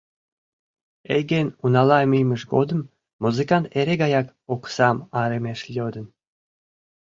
Эйген унала мийымыж годым музыкант эре гаяк оксам арымеш йодын.